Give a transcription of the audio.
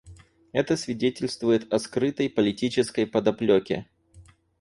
Это свидетельствует о скрытой политической подоплеке.